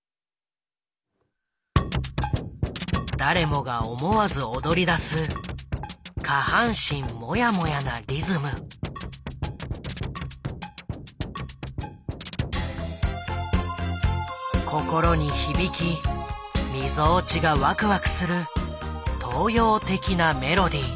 誰もが思わず踊りだす心に響きみぞおちがワクワクする東洋的なメロディー。